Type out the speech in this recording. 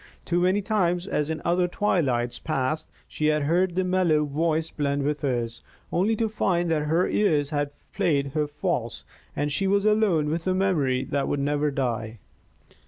Too many times, as in other twilights past, she had heard that mellow voice blend with hers, only to find that her ears had played her false and she was alone with a memory that would never die.